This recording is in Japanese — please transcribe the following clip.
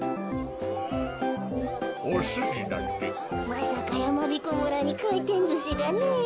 まさかやまびこ村にかいてんずしがねえ。